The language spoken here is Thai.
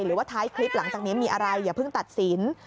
หรือว่าท้ายคลิปหลังจากนี้มีอะไรอย่าเพิ่งตัดสิน